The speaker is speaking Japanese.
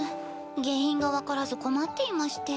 原因が分からず困っていまして。